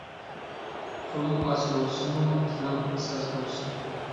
پۇلۇڭ ئاز بولسىمۇ، تىلىڭ ساز بولسۇن.